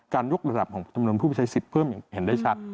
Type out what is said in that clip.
ยกระดับของจำนวนผู้ไปใช้สิทธิ์เพิ่มอย่างเห็นได้ชัด